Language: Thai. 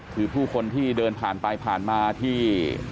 คือผู้คนที่เดินผ่านไปผ่านมาที่